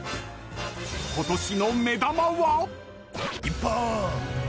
今年の目玉は。